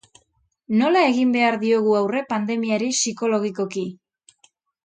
Nola egin behar diogu aurre pandemiari psikologikoki?